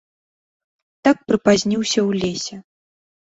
Так прыпазніўся ў лесе.